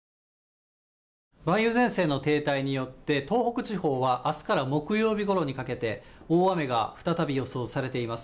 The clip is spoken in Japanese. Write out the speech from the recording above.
梅雨前線の停滞によって、東北地方はあすから木曜日ごろにかけて、大雨が再び予想されています。